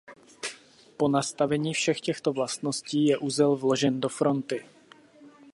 Po nastavení všech těchto vlastností je uzel vložen do fronty.